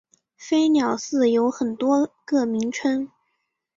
飞鸟寺有很多个名称。